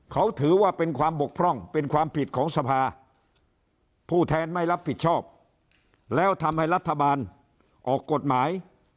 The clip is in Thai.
เขาถือว่าเป็นความบกพร่องเป็นความผิดของสภาผู้แทนไม่รับผิดชอบแล้วทำให้รัฐบาลออกกฎหมาย